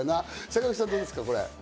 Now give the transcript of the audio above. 坂口さん、どうですか？